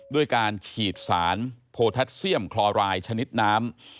ด้วยการฉีดสารโพแทสเซียมคลอรายชนิดน้ำ